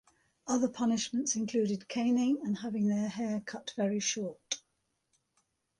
Other punishments included caning and having their hair cut very short.